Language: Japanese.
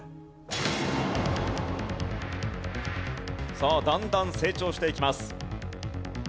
さあだんだん成長していきます。